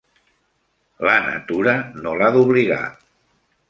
La natura no l'ha d'obligar.